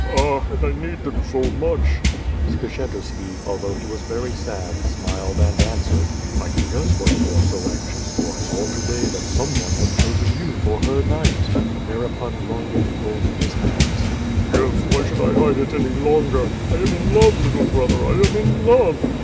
Ah! And I need them so much ?" Skshetuski, although he was very sad, smiled and answered: ^*I can guess why you are so anxious, for I saw to day that some one had chosen you for her knight." Thereupon Longin folded his hands. "Yes, why should I hide it any longer? I am in love, little brother, I am in love.